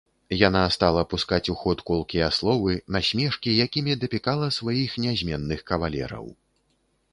Яна стала пускаць у ход колкія словы, насмешкі, якімі дапікала сваіх нязменных кавалераў.